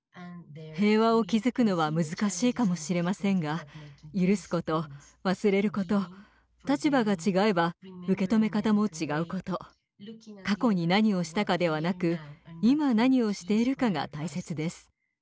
平和を築くのは難しいかもしれませんが許すこと忘れること立場が違えば受け止め方も違うこと過去に何をしたかではなく今何をしているかが大切です。